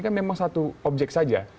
kan memang satu objek saja